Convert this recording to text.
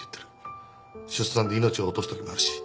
出産で命を落とすときもあるし。